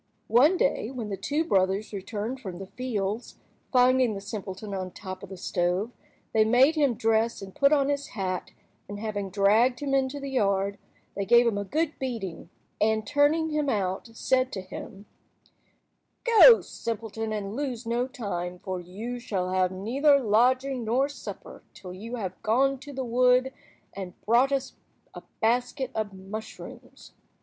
One day when the two brothers returned from the fields, finding the simpleton on the top of the stove, they made him dress and put on his hat, and having dragged him into the yard, they gave him a good beating, and turning him out, said to him— "Go, simpleton, and lose no time, for you shall have neither lodging nor supper until you have gone to the wood and brought us a basket of mushrooms."